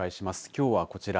きょうはこちら。